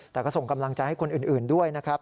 แต่ก็ส่งกำลังใจให้คนอื่นด้วยนะครับ